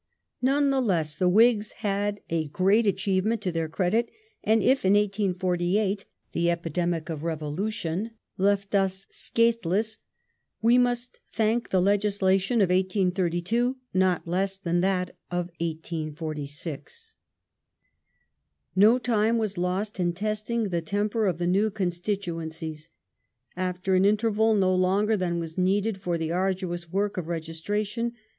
^ None the less the Whigs had a great achievement to their credit, and if in 1848 \ the epidemic of Revolution left us scathless, we must thank the legislation of 1832 not less than that of 1846. No time was lost in testing the temper of the new constitu encies. After an interval no longer than was needed for the arduous work of registration.